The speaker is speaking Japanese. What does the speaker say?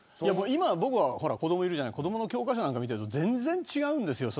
僕は子どもいるじゃない子どもの教科書見ると全然、違うんですよ